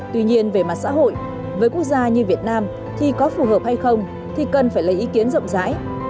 tuy nhiên về mặt xã hội với quốc gia như việt nam thì có phù hợp hay không thì cần phải lấy ý kiến rộng rãi